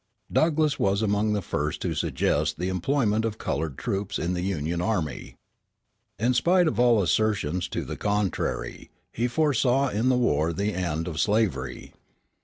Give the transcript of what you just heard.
Douglass was among the first to suggest the employment of colored troops in the Union army. In spite of all assertions to the contrary, he foresaw in the war the end of slavery.